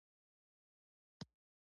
پښتو ژبه ده ښه ژبه، تر شکرو خوږه ژبه